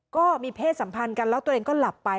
ก็มีเพศสัมพันธ์กันแล้วตัวเองก็หลับไป